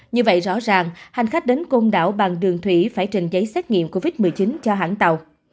như vậy rõ ràng hành khách đến côn đảo bằng đường thủy phải trình giấy xét nghiệm covid một mươi chín cho hãng tàu